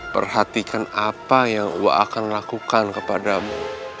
perhatikan apa yang allah akan lakukan kepadamu